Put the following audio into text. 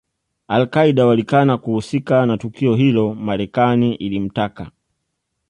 Al Qaeda walikana kuhusika na tukio hilo Marekani ilimtaka